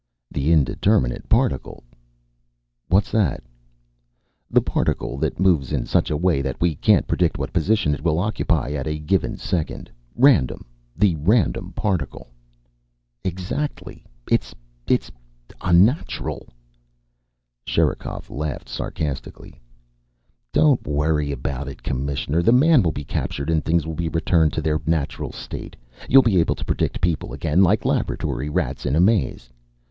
"The indeterminate particle." "What's that?" "The particle that moves in such a way that we can't predict what position it will occupy at a given second. Random. The random particle." "Exactly. It's it's unnatural." Sherikov laughed sarcastically. "Don't worry about it, Commissioner. The man will be captured and things will return to their natural state. You'll be able to predict people again, like laboratory rats in a maze.